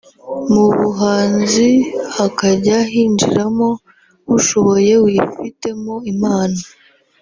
mu buhanzi hakajya hinjiramo ushoboye wifitemo impano